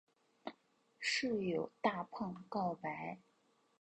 室友大胖告白。